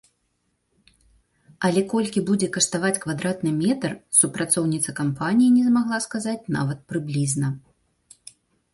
Але колькі будзе каштаваць квадратны метр, супрацоўніца кампаніі не змагла сказаць нават прыблізна.